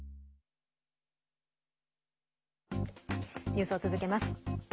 ニュースを続けます。